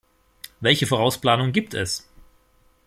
Welche Vorausplanung gibt es?